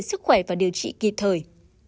sức khỏe và điều trị kịp thời